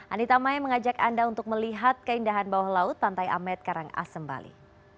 anita mai mengajak anda untuk melihat keindahan bawah laut pantai amet karangasem bali